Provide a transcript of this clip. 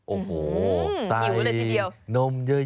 โอ้โฮใส่นมเยอะ